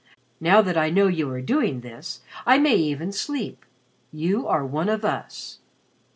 Now that I know you are doing this I may even sleep. You are one of us."